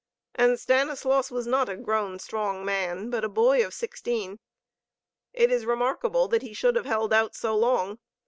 And Stanislaus was not a grown, strong man, but a boy of sixteen. It is remarkable that he should have held out so long.